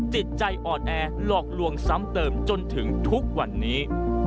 จิตใจอ่อนแอหลอกลวงซ้ำเติมจนถึงทุกวันนี้